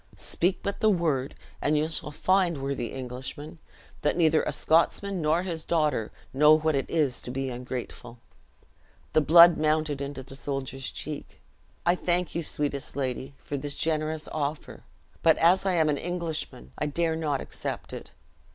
Speak but the word, and you shall find, worthy Englishman, that neither a Scotsman, nor his daughter, know what it is to be ungrateful." The blood mounted into the soldier's cheek. "I thank you, sweetest lady, for this generous offer; but, as I am an Englishman, I dare not accept it.